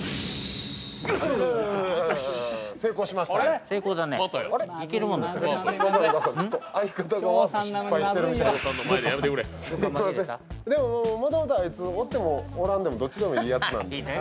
紫のもともとあいつおっても、おらんでもどっちでもいいやつなんで。